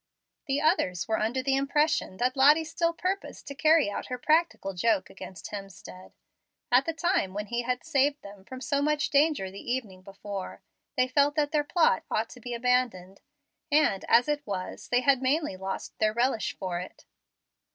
The others were under the impression that Lottie still purposed carrying out her practical joke against Hemstead. At the time when he had saved them from so much danger the evening before, they felt that their plot ought to be abandoned, and, as it was, they had mainly lost their relish for it.